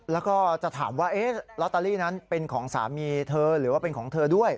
แล้วก็จะถามว่าลอตเตอรี่นั้นเป็นของสามีเธอหรือว่าเป็นของเธอด้วย